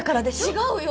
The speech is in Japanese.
違うよ。